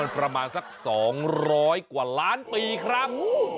ประมาณสัก๒๐๐กว่าล้านปีครับ